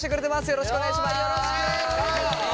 よろしくお願いします。